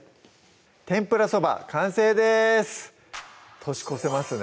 「天ぷらそば」完成です年越せますね